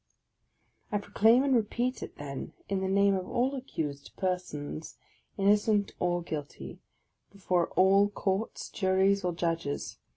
I proclaim and repeat it, then, in the name of all accused persons, innocent or guilty, before all courts, juries, or judges.